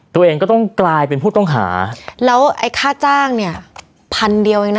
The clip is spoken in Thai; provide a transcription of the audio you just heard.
ตัวเองก็ต้องกลายเป็นผู้ต้องหาแล้วไอ้ค่าจ้างเนี่ยพันเดียวเองนะ